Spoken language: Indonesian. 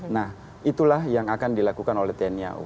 nah itulah yang akan dilakukan oleh tni au